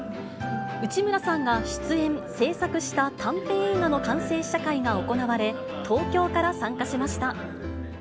内村さんが出演・製作した短編映画の完成試写会が行われ、東京から参加しました。